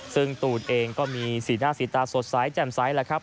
ซึ่งตูนเองก็มีสีหน้าสีตาสดใสแจ่มใสแหละครับ